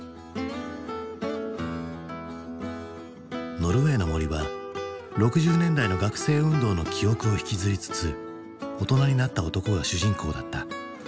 「ノルウェイの森」は６０年代の学生運動の記憶を引きずりつつ大人になった男が主人公だった。